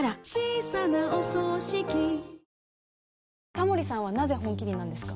タモリさんはなぜ「本麒麟」なんですか？